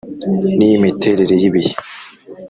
N’iy’imiterere y‘ibihe